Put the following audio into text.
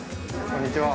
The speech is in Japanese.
こんにちは。